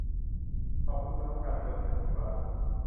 ขอบคุณสำหรับการชวนฉัน นิโคลัส